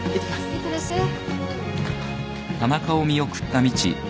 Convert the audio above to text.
いってらっしゃい。